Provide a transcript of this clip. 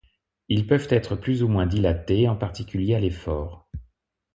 Ils peuvent être plus ou moins dilatés, en particulier à l'effort.